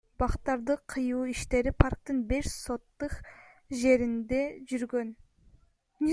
Бактарды кыюу иштери парктын беш сотых жеринде жүргөн.